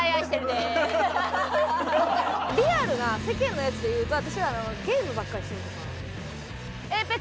リアルな世間のやつで言うと私は「ゲームばっかりしてる」とか。